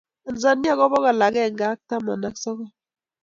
Tanzania ko bogol agenge ak taman ak sogol,